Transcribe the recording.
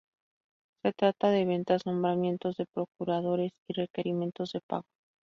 Se trata de ventas, nombramientos de procuradores y requerimiento de pago.